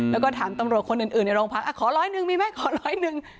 แล้วก็ถามตำรวจคนอื่นในโรงพักขอร้อยหนึ่งมีไหมขอร้อยหนึ่ง